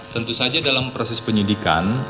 tentu saja dalam proses penyidikan